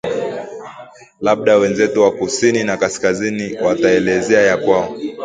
Labda wenzetu wa kusini na kaskazini watuelezee ya kwao